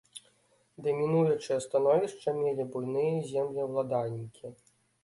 Дамінуючае становішча мелі буйныя землеўладальнікі.